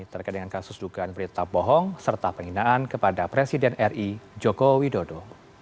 terkait dengan kasus dugaan berita bohong serta penghinaan kepada presiden ri joko widodo